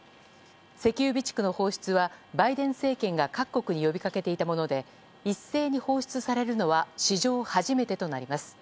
石油備蓄の放出はバイデン政権が各国に呼び掛けていたもので一斉に放出されるのは史上初めてとなります。